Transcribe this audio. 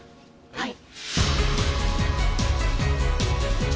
はい。